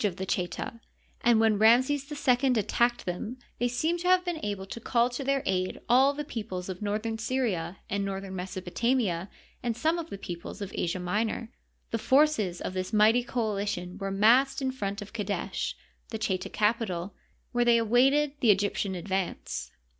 of the Cheta, and when Ramses II attacked them they seem to have been able to call to their aid all the peoples of northern Syria and northern Mesopotamia and some of the peoples of Asia Minor, The forces of this mighty coalition were massed in front of Qadesh, the Cheta capital, where they awaited the Egyptian advance.